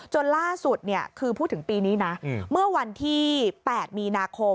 จนล่าสุดคือพูดถึงปีนี้นะเมื่อวันที่๘มีนาคม